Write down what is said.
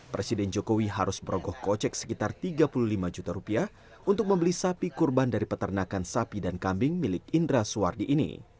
presiden jokowi harus merogoh kocek sekitar tiga puluh lima juta rupiah untuk membeli sapi kurban dari peternakan sapi dan kambing milik indra suwardi ini